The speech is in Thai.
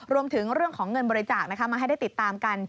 รวมถึงเรื่องของเงินบริจาคมาให้ได้ติดตามกัน